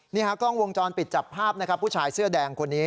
นี่ค่ะกล้องวงจรปิดจับภาพผู้ชายเสื้อแดงคนนี้